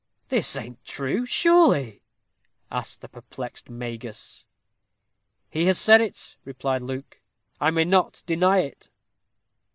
"This ain't true, sure_ly_?" asked the perplexed Magus. "He has said it," replied Luke; "I may not deny it."